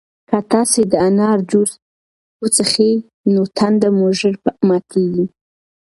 که تاسي د انار جوس وڅښئ نو تنده مو ژر ماتیږي.